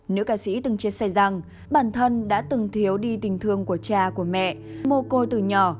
nữ ca sĩ từng chia sẻ rằng bản thân đã từng thiếu đi tình thương của cha của mẹ mô côi từ nhỏ